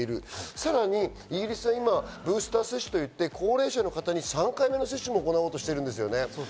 さらにイギリスは今、ブースター接種といって高齢者の方に３回目の接種も行おうとしてるんですね。